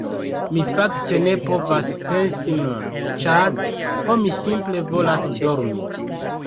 Mi fakte ne povas pensi nun, ĉar... ho mi simple volas dormi.